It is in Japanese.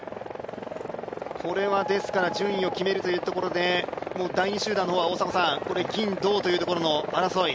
これは順位を決めるというところで第２集団のところは大迫さん、銀、銅というところの争い